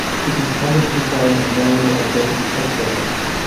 It is common to find a manual of basic cocktails.